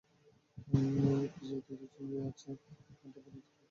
একপর্যায়ে দুই জঙ্গি পিছু হটে পূর্ব দিকে একটি গলিতে ঢুকে পড়ে।